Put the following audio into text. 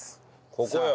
ここよ。